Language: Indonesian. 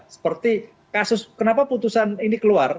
seperti kasus kenapa putusan ini keluar